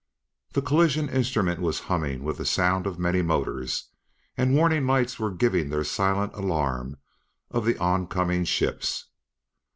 The collision instrument was humming with the sound of many motors, and warning lights were giving their silent alarm of the oncoming ships.